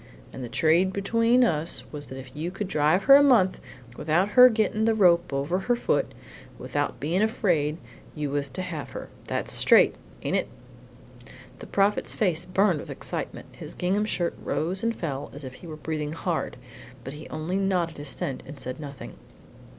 And the trade between us was that if you could drive her a month, without her getting the rope over her foot and without bein' afraid, you was to have her. That's straight, ain't it?" The Prophet's face burned with excitement, his gingham shirt rose and fell as if he were breathing hard, but he only nodded assent and said nothing.